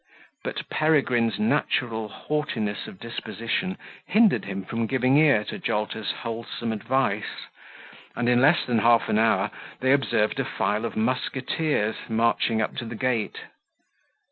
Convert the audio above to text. But Peregrine's natural haughtiness of disposition hindered him from giving ear to Jolter's wholesome advice; and in less than half an hour they observed a file of musketeers marching up to the gate.